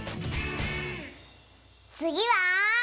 つぎは。